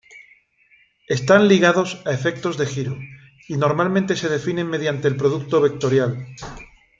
Están ligados a efectos de giro, y normalmente se definen mediante el producto vectorial.